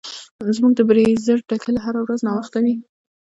زموږ د بریځر ټکله هره ورځ ناوخته وي.